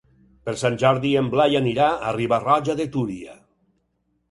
Per Sant Jordi en Blai anirà a Riba-roja de Túria.